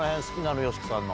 ＹＯＳＨＩＫＩさんの。